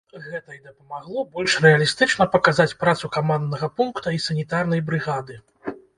Гэта і дапамагло больш рэалістычна паказаць працу каманднага пункта і санітарнай брыгады.